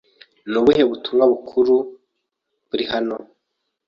Ni ubuhe butumwa bukuru buri hano?